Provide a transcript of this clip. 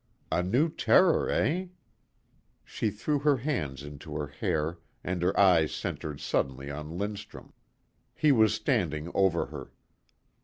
A new terror, eh?" She threw her hands into her hair and her eyes centered suddenly on Lindstrum. He was standing over her.